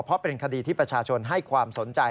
เพราะเป็นคดีที่ประชาชนให้ความสนใจ